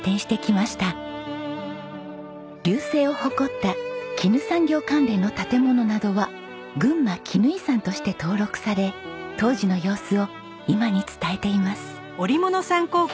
隆盛を誇った絹産業関連の建物などはぐんま絹遺産として登録され当時の様子を今に伝えています。